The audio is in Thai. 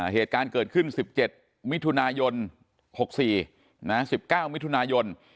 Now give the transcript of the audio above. เหตุการณ์เกิดขึ้น๑๗มิถุนายน๖๔๑๙มิถุนายน